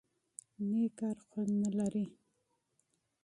_نېک کار خوند نه لري؟